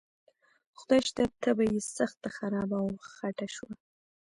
خدای شته طبعه یې سخته خرابه او خټه شوه.